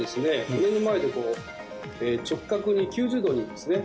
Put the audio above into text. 胸の前で直角に９０度にですね